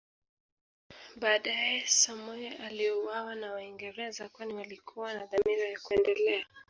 Baadae Samoei aliuawa na Waingereza kwani walikuwa na dhamira ya kuendelea